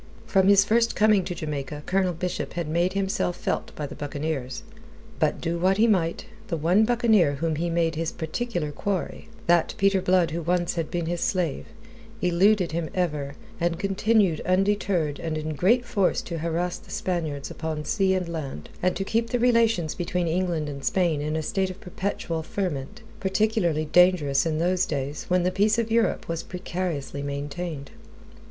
From his first coming to Jamaica, Colonel Bishop had made himself felt by the buccaneers. But do what he might, the one buccaneer whom he made his particular quarry that Peter Blood who once had been his slave eluded him ever, and continued undeterred and in great force to harass the Spaniards upon sea and land, and to keep the relations between England and Spain in a state of perpetual ferment, particularly dangerous in those days when the peace of Europe was precariously maintained.